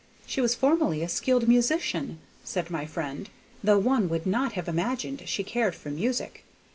"She was formerly a skilful musician," said my friend, "though one would not have imagined she cared for music.